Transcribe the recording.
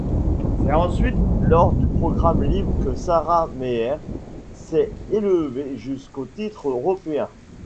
C'est ensuite lors du programme libre que Sarah Meier s'est élevée jusqu'au titre européen.